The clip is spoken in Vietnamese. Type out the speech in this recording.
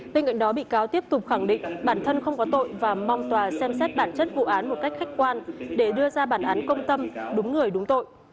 bên cạnh đó bị cáo tiếp tục khẳng định bản thân không có tội và mong tòa xem xét bản chất vụ án một cách khách quan để đưa ra bản án công tâm đúng người đúng tội